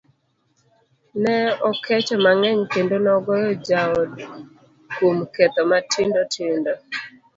ne okecho mang'eny kendo nogoyo jaode kuom ketho matindo tindo